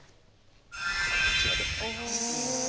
こちらでございます。